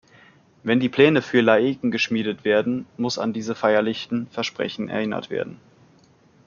Wenn die Pläne für Laeken geschmiedet werden, muss an diese feierlichen Versprechen erinnert werden.